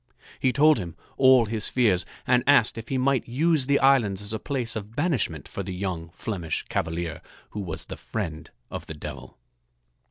He told him all his fears and asked if he might use the islands as a place of banishment for the young Flemish cavalier who was the friend of the Devil.